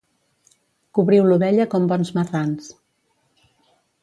Cobriu l'ovella com bons marrans.